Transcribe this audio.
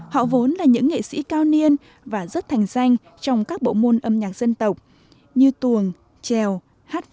họ vốn là những nghệ sĩ cao niên và rất thành danh trong các bộ môn âm nhạc dân tộc như tuồng trèo hát văn hát sầm ca trù